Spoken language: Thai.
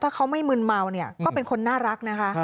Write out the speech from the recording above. ถ้าเขาไม่มืนเมาเนี่ยก็เป็นคนน่ารักนะคะ